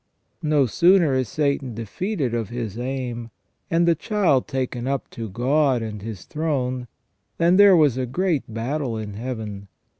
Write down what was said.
No sooner is^atan defeated of his aim, and the Child taken up to God and His throne, than " there was a great battle in heaven.